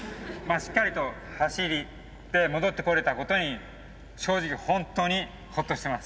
しっかりと走って戻ってこれたことに正直ホントにほっとしてます。